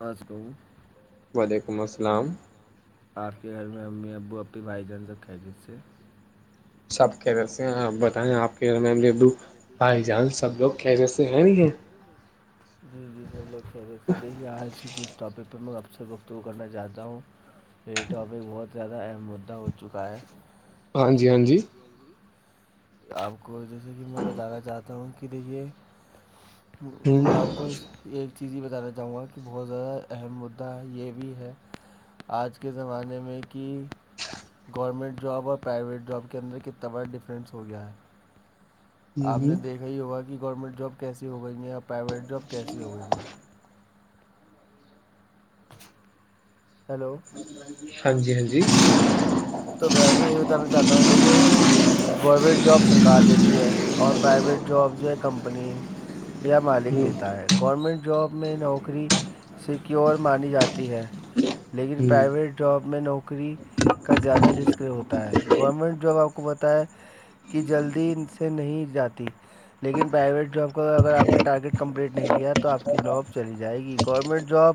بس کو [unintelligible] [unintelligible] وعلیکم السلام آپ کے گھر میں امی ابو اپنی بھائی جان سب خیریت سے ہیں سب کی در سے ہیںپ بتائیں آپ کے میمبو بھائی جان سب لوگ خیریت سے ہیں نہیں ہیں اپ سب گفتگو کرنا چاہتا ہوں یہی ٹاپک بہت زیادہ اہم مد ہو چکا ہے ہاں جی ہاں جی آپ کو جیسے کہ میں بتانا چاہتا ہوں کہ دیکھیے میں آپ کو ایک چیز یہ بتانا چاہوں گا کہ بہت زیادہ اہم مدعا ہے یہ بھی ہے آج کے زمانے میں کہ گورنمنٹ جاب اور پرائیویٹ جاب کے اندر کتبا ڈفرنس ہو گیا ہے آپ نے دیکھا ہی ہوگا کہ گورنمنٹ جاب کیسی ہو گئییں ہیں یا پرائیویٹ جاب کیسی ہو گئی ہیں ہیلو ہاں جی ہاں جی تو میں آپ کو یہ بتانا چاہتا ہوں دیکھیے کہ گورمنٹ جاب سرکار دیتی ہے اور پرائیویٹ جاب جو ہے کمپنی یا مالک دیتا ہے گورنمنٹ جاب میں نوکری سیکیور مانی جاتی ہے لیکن پرائیویٹ جاب میں نوکری کا زیادہ رسک ہوتا ہے گورنمنٹ جاب آپ کو بتائے کہ جلدی سے نہیں جاتی لیکن پرائیویٹ جاب کو اگر آپ نے ٹارگیٹ کمپلیٹ نہیں کیا تو آپ کی جاب چلی جائے گی گورنمنٹ جاب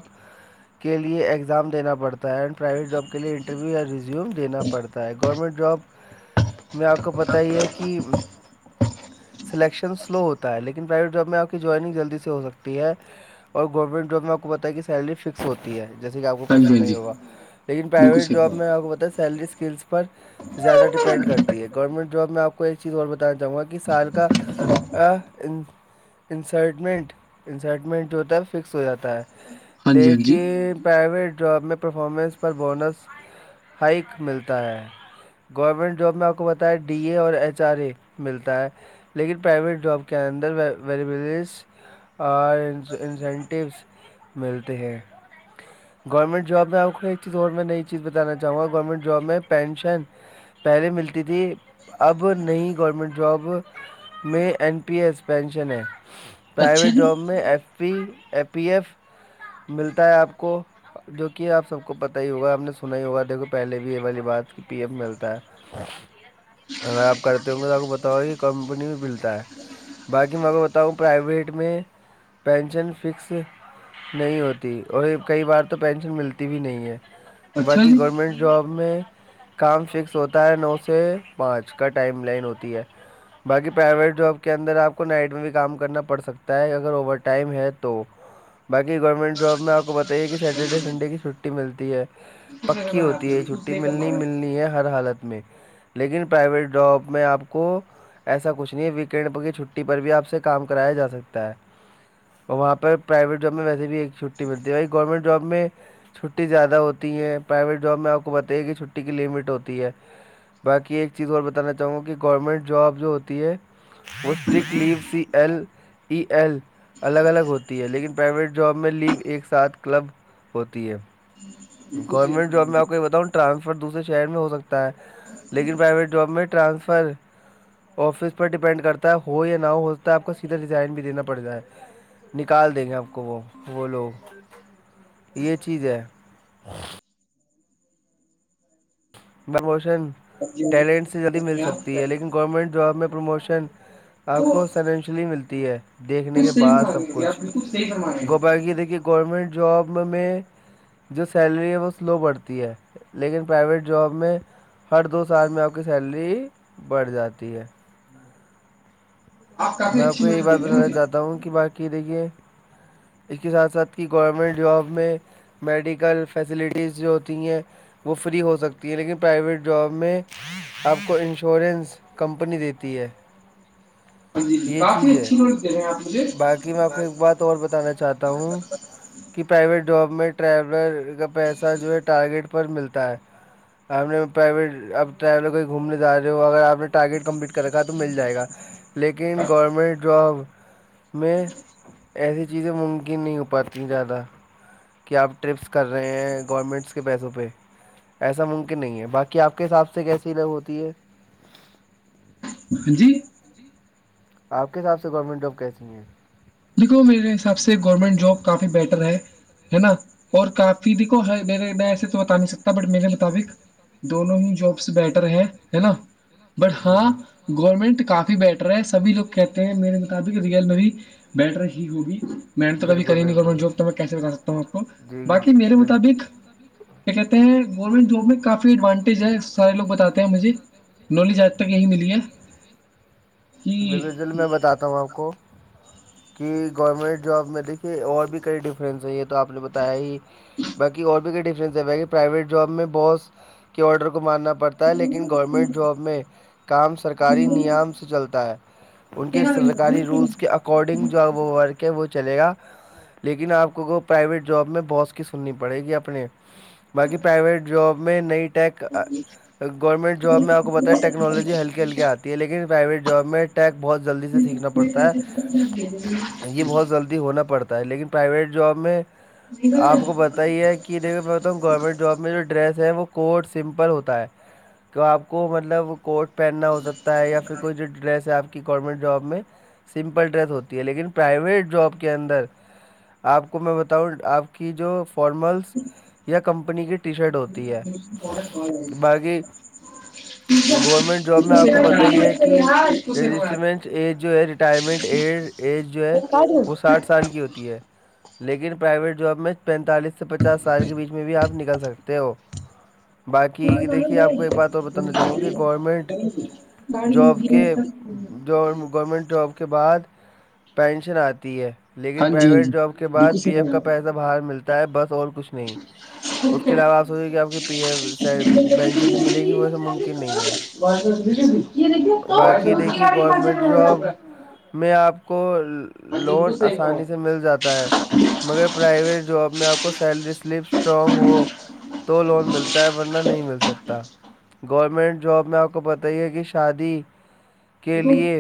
کے لیے ایگزام دینا پڑتا ہےینڈ پرائیویٹ جاب کے لیے انٹرویو یا ینا گ ج میں آپ پ سلیکشن سلو ہوتا ہے لیکن پرائیویٹ جاب میں آپ کی جوائننگ جلدی سے ہو سکتی ہے اور گورنمنٹ جاب میں آپ کو پت ہے کہ سیری فکس ہوتی ہے جیسے کہ آپ کو کچھ نہیں ہوگ لیکن پرائیویٹ جاب میں آپ کو پ سیلری اسکلس پر زیادہ ڈپینڈ کرتی ہے گورنمنٹ جاب میں آپ کو ایک چیز اور بتانا چاہوں گا کہ سال کا انسائٹمنٹ انسائٹمنٹ جو ہوتا ہے فکس ہو جاتا ہے لیکن پرائیویٹ جاب میں پرفارمنس پر بونس ہائیک ملتا ہے گورمنٹ جاب میں آپ کو پت ہے ڈی اے اور ایچ آر اے ملتا ہے لیکن پرائیویٹ جاب کے اندر ویلیبلیس اور انسینٹیوس ملتے ہیں گورنمنٹ جاب میں آپ کو ایک چیز اور میں نئی چیز بتانا چاہوں گا گورنمنٹ جاب میں پینشن پہلے ملتی تھی اب نہیں گورمنٹ جاب میں ایین پی ا ایسپینشن ہے پرائیویٹ جاب میں F P A P F ملتا ہے آپ کو جو کہ آپ سب کو پتا ہی ہوگا آپ نے سنا ہی ہوگا کو پہلے بھی یہ والی بات پی ایف ملتا ہے اگر آپ کرتے ہوں گے تو آپ کو بتاؤ گ یہ کمپنی بھی ملتا ہے باقی میں کو بتاؤں پرائیویٹ میں پینشن فکس نہیں ہوتی اور کئی بار تو پینشن ملتی بھی نہیں ہے باقی گورمنٹ جاب میں کام فکس ہوتا ہے نو سے پانچ کا ٹائم لائن ہوتی ہے باقی پرائیویٹ جاب کے اندر آپ کو نائٹ میں بھی کام کرنا پڑ سکتا ہے اگر اوور ٹائم ہے تو باقی گورنمنٹ جاب میں آپ کو بتائیے کہ سیٹرڈے سنڈے کی چھٹی ملتی ہے پکی ہوتی ہے چھٹی ملنی ملنی ہے ہر حالت میں لیکن پرائیویٹ جاب میں آپ کو ایسا کچھ نہیں ہے ویکینڈ پر کی چھٹی پر بھی آپ سے کام کرایا جا سکتا ہے اور وہاں پرائیویٹ جاب میں ویسے بھی ایک چھٹی ملتی ہے بھائی گورنمنٹ جاب میں چھٹی زیادہ ہوتی ہیں پرائیویٹ جاب میں آپ کو بتائیے کہ چھٹی کی لمٹ ہوتی ہے باقی ایک چیز اور بتانا چاہوں گا کہ گورنمنٹ جاب جو ہوتی ہے sick leave C L E L الگ الگ ہوتی ہے لیکن پرائیویٹ جاب میں لیو ایک ساتھ کلب ہوتی ہے [inaudible] گورنمنٹ جاب میں آپ کو یہ بتاؤں ٹرانسفر دوسرے شہر میں ہو سکتا ہے لیکن پرائیویٹ جاب میں ٹرانسفر آفس پ پر ڈیپینڈ کرتا ہے ہو یا نہ ہو سک ہے آپ کو سیدھا ڈیزائن بھی دینا پڑ جائے نکال دیں گے آپ کو وہ وہ لوگ یہ چیز ہے ہ [inaudible] پرموشن ٹیلنٹ سے جلدی مل سکتی ہے لیکن گورنمنٹ جاب میں پروموشن آپ کو فائنینشلی ملتی ہے دیکھنے کے بعد سب کچھ گوپال کی دیکھیے گورنمنٹ جاب میں جو سیلری ہے وہ سلو پڑتی ہے لیکن پرائیویٹ جاب میں ہر دو سال میں آپ کی سیلری بڑھ جاتی ہے میں آپ کو یہی بات بتانا چاہتا ہوں کہ باقی دیکھیے اس کے ساتھ ساتھ کہ گورنمنٹ جاب میں میڈیکل فیسلٹیز جو ہوتی ہیں وہ فری ہو سکتی ہیں لیکن پرائیویٹ جاب میں آپ کو انشورنس کمپنی دیتی ہے یہ چیز ہے باقی میں آپ کو ایک بات اور بتانا چاہتا ہوں کہ پرائیویٹ جاب میں ٹریولر کا پیسہ جو ہے ٹارگیٹ پر ملتا ہے آپ نے پرائیویٹ اپ ٹریولر کویں گھومنے جا رہے ہو اگر آپ نے ٹارگیٹ کمپلیٹ کر رکھا ہے تو مل جائے گا لیکن گورمنٹ جاب میں ایسی چیزیں ممکن نہیں ہو پاتی زیادہ کیا آپ ٹرپس کر رہے ہیں گورنمنٹس کے پیسوں پہ ایسا ممکن نہیں ہے باقی آپ کے حساب سے کیسی لگ ہوتی ہے ہاں جی آپ کے حساب سے گورنمنٹ جاب کیسی ہیں دیکھو میرے حساب سے گورنمنٹ جاب کافی بیٹر ہے ہے نا اور کافی د کوو ہے میرے میں ایسے تو بتا نہیں سکتا بٹ میرے مطابق دونوں ہی جابس بیٹر ہیں ہے نا بٹ ہاں گورنمنٹ کافی بیٹر ہے سبھی لوگ کہتے ہیں میرے مطابق ریئل میںی بیٹ رہ ہی ہوگی [unintelligible] [unintelligible] محنت تو کبھی کری نہیں کر جاب تو میں کیسے بتا سکتا ہوں آپ کو باقی میرے مطابق گورنمنٹ جاب میں کافی ایڈوانٹیج ہے سار لوگ بتاتے ہیں مجھے نولی جد تک یہیں ملی ہے بضل میں بتاتا ہوں آپ کو کہ گورنمنٹ جاب میری یہ اور بھی کئی ڈفرینس ہے یہ تو آپ نے بتایا ہی باقی اور بھی کئی ڈفرینس ہے ب پرائیویٹ جاب میں باس کے آرڈر کو ماننا پ پڑتا ہے لیکن گورنمنٹ جاب میں کام سرکاری نیام سے چلتا ہے ان کے سرکاری رولس کے اکارڈنگ جو وہ ورک [unintelligible] [unintelligible] کہ وہ چلے گا لیکن آپ کو پرائیویٹ جاب میں باس کی سننی پڑے گی اپنے باقی پرائیویٹ جاب میں نئی ٹیک گورنمنٹ جاب میں آپ کو بتا ہے ٹنالوجی ہلکی ہلک آتی ہے لیکن پرائیویٹ میںیں ٹیک بہت جلدی سے سیکھنا پڑتا ہے یہ بہت جلدی ہونا پڑتا ہے لیکن پرائیویٹ جاب میں آپ کو بت یہ ہے کہ دیکھو میں بتا ہوں گورنمنٹ جاب میں جو ڈریس ہے وہ کوٹ سمپل ہوتا ہے کہ آپ کو مطلب کوٹ پہننا ہو سکتا ہے یا پھر کوئی جو ڈریس آپ کی گورنمنٹ جاب میں سمپل ڈریس ہوتی ہے لیکن پرائیویٹ جاب کے اندر آپ کو میں بتاؤں آپ کی جو فارملس یا کمپنی کی ٹی شرٹ ہوتی ہے باقی گورنمنٹ جاب میں آپ کو پت ہی ہے کہ کی رجسٹرمنٹ ایج جو ہے ریٹائرمنٹ ایج جو ہے وہ ساٹھ سو کی ہوتی ہے لیکن پرائیویٹ جاب میں پینتالیس سے پچاس سال کے بیچ میں بھی آپ نکل سکتے ہو باقی دیکھیے آپ کو ایک بات اور بتانا چاہوں گا کہ گورنمنٹ جاب کے گورنمنٹ جاب کے بعد پینشن آتی ہے لیکن پرائیویٹ جاب کے بعد پی ایف کا پیسہ باہر ملتا ہے بس اور کچھ نہیں اس کے علاوہ آپ سوچے کہ آپ کی پی ایف پینشن بھی ملے گی وہیسا ممکن نہیں ہے [inaudible] [unintelligible] میں آپ کو لون آسانی سے مل جاتا ہے مگر پرائیویٹ جاب میں آپ کو سیلری سلپ اسٹرانگ ہو تو لون ملتا ہے ورنہ نہیں مل سکتا گورنمنٹ جاب میں آپ کو پت ہی ہے کہ شادی کے لیے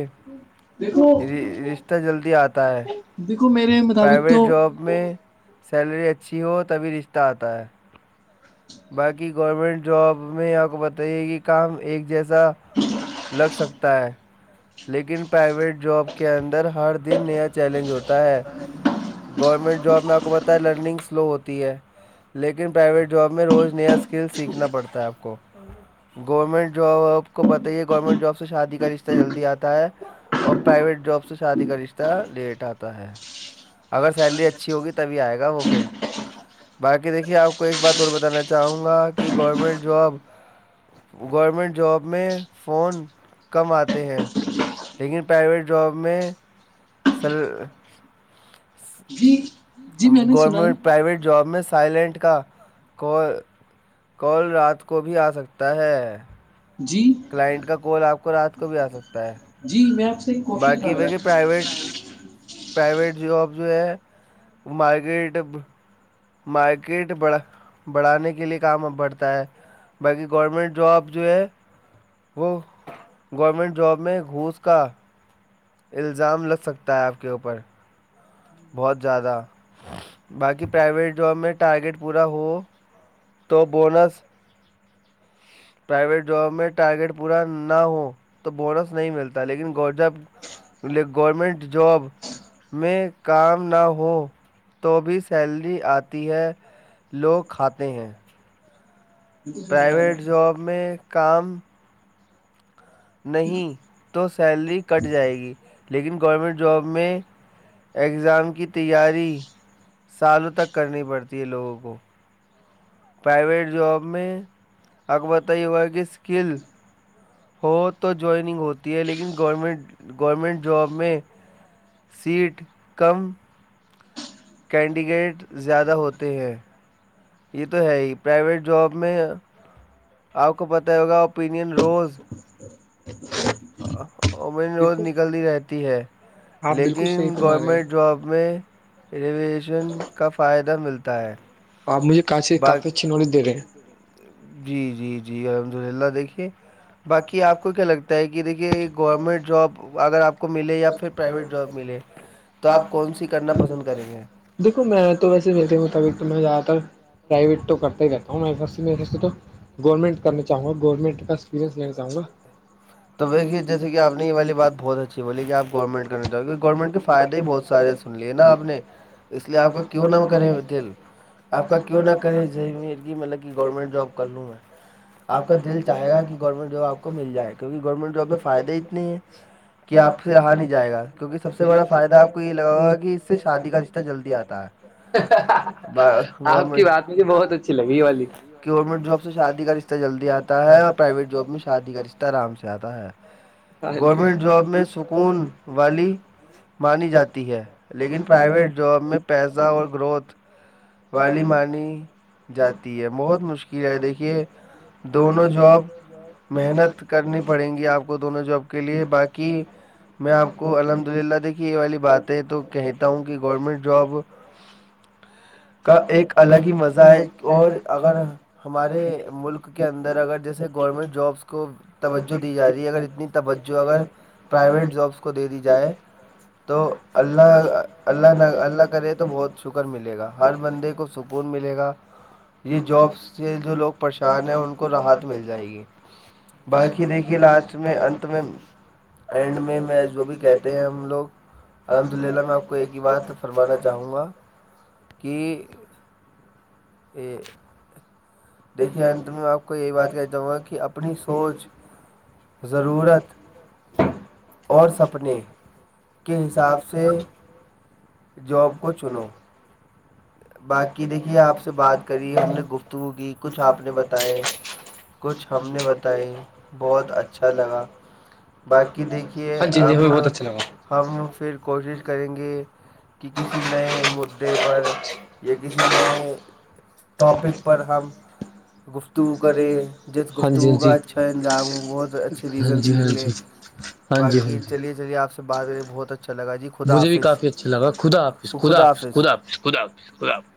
رشتہ جلدی آتا ہے دیکھو میرے [unintelligible] پرائیویٹ جاب میں سیلری اچھی ہو تبھی رشتہ آتا ہے باقی گورنمنٹ جاب میں آپ بتائیے کہ کام ایک جیسا ا لگ سکتا ہے لیکن پرائیویٹ جاب کے اندر ہر دن نیا چیلنج ہوتا ہے گورنمنٹ جاب میں آپ کو پت ہے لرننگ سلو ہوتی ہے لیکن پرائیویٹ جاب میں روز نیا اسکل سیکھنا پڑتا ہے آپ کو گورنمنٹ جاب آپ کو پتہ ہی ہے گورنمنٹ جاب اس سے شادی کا رشتہ جلدی آتا ہے اور پرائیویٹ جاب سے شادی کا رشتہ لیٹ آتا ہے اگر سیلری اچھی ہوگی تبھی آئے گا وہ پھر باقی دیکھیے آپ کو ایک بات بتانا چاہوں گا کہ گورنمنٹ جاب گورمنٹ جاب میں فون کم آتے ہیں لیکن پرائیویٹ جاب میں [unintelligible] سر گورمنٹ پرائیویٹ جاب میں سائلنٹ کا کو کال رات کو بھی آ سکتا ہے کلائنٹ کا کال آپ کو رات کو بھی آ سکتا ہے جی میں آپ سے ایک کوشچن تھا میرا [unintelligible] پرائیویٹ جاب جو ہے مارکیٹ اب مارکیٹ بڑ بڑھانے کے لیے کام اب بڑھتا ہے باقی گورمنٹ جواب جو ہے وہ گورمنٹ جاب میں گھوس کا الزام لگ سکتا ہے آپ کے اوپر بہت زیادہ باقی پرائیویٹ جاب میں ٹارگیٹ پورا ہو تو بونس پرائیویٹ جاب میں ٹارگیٹ پورا نہ ہو تو بونس نہیں ملتا لیکن گورنمنٹ جاب لے گورنمنٹ جاب میں کام نہ ہو تو بھی سیلری آتی ہے لوگ کھاتے ہیں پرائیویٹ جاب میں کام نہیں تو سیلری کٹ جائے گی لیکن گورنمنٹ جاب میں ایگزام کے کی تیاری سالوں تک کرنی پڑتی ہے لوگوں کو پرائیویٹ جاب میں البتہ یہ ہوگا کہ اسکل ہو تو جوائننگ ہوتی ہے لیکن گورنمنٹ گورنمنٹ جاب میں سیٹ کم کینڈیڈیٹ زیادہ ہوتے ہیں یہ تو ہے ہی پرائیویٹ جاب میں آپ کو پتہ ہوگا اوپینین روز آ [inaudible] اومین روز نکلتی رہتی ہے لیکن گورمنٹ جاب میں ایریویئیشن کا فائدہ ملتا ہے آپ مجھے کافی اچھی نولیج دے رہے ہیں جی جی جی الحمد للہ دیکھیے باقی آپ کو کیا لگتا ہے کہ دیکھیے گورنمنٹ جاب اگر آپ کو ملے یا پھر پرائیویٹ جاب ملے تو آپ کون سی کرنا پسند کریں گے دیکھو میں تو [inaudible] پرائیویٹ تو کرتا ہی رہتا ہوں میں تو گورنمنٹ کرنا چاہوں گا گورنمنٹ کا اسپئنس لین چاہوں گا تو دیکھیے جیسے آپ یہ والے بہت اچھی بولی کہ آپ گورنمنٹ کرنا چاہے کیون گورنمنٹ کے فائدے ہی بہت سارے سن لیا نا آپ نے اس لیے آپ کا کیوں نا کرے دل آپ کا کیوں نہ کرے دل مطلب گورنمنٹ جاب کر لوں میں آپ کا دل چاہے گا کہ گورنمنٹ جاب آپ کو مل جائے کیونکہ گورنمنٹ جاب میں فائدے ہی اتنی ہے کہ آپ سے رہا نہیں جائے گا کیونکہ سب سے بڑا فائدہ آپ کو یہ لگا ہوگا کہ اس سے شادی کا رشتہ جلدی آتا ہے گورمٹ گورمنٹ جاب سے شادی کر رشہ جلدی آتا ہے اور پرائیویٹ جاب میں شادی کا رشتہ آرام سے آتا ہے گورنمنٹ جاب میں سکون والی مانی جاتی ہے لیکن پرائیویٹ جاب میں پیسہ اور گروتھ والی مانی جاتی ہے بہت مشکل ہے دیکھیے دونوں جاب محنت کرنی پڑیں گی آپ کو دونوں جاب کے لیے باقی میں آپ کو الحمد للہ دیکھیے یہ والی باتیں تو کہتا ہوں کہ گورنمنٹ جاب ہ کا ایک الگ ہی مزہ ہے اور اگر ہمارے ملک کے اندر اگر جیسے گورمنٹ جابس کو توجہ دی جا رہی ہے اگر اتنی توجہ اگر پرائیویٹ جابس کو دے دی جائے تو اللہ اللہ اللہ کرے تو بہت سکون ملے گا ہر بندے کو سکون ملے گا یہ جاب سے جو لوگ پریشان ہیں ان کو راحت مل جائے گی باقی دیکھیے لاسٹ میں انت میں اینڈ میں میں جو بھی کہتے ہیں ہم لوگ الحمد للہ میں آپ کو ایک ہی بات فرمانا چاہوں گا کہ دیکھیے انت میں آپ کو یہی بات کہنا چاہوں گا کہ اپنی سوچ ضرورت اور سپنے اس کے حساب سے جاب کو چنو باقی دیکھیے آپ سے بات کری ہم نے گفتگو کی کچھ آپ نے بتائے کچھ ہم نے بتائے بہت اچھا لگا باقی دیکھیے اب ہم پھر کوشش کریں گے کہ کسی نئے مدے پر یا کسی نئے ٹاپک پر ہم گفتگو کریں جس گفتگو کا اچھا انجام ہو بہت اچھے ریزنس نکلیں باقی چلیے چلیے آپ سے بات کریں بہت اچھا لگا جی خدا حافظ خدا حافظ خدا حافظ خدا حافظ خدا حافظ خدا حافظ